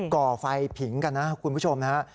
ก่อไฟผิงกันนะครับคุณผู้ชมนะครับ